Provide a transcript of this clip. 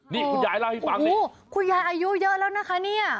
นี่คุณยายเล่าให้ฟังนี่คุณยายอายุเยอะแล้วนะคะเนี่ย